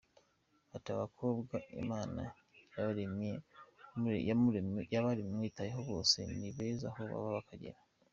Ati, “Abakobwa Imana yabaremanye umwihariko, bose ni beza aho bava bakagera”.